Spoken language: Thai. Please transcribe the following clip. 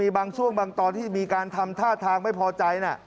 บางช่วงบางตอนที่มีการทำท่าทางไม่พอใจ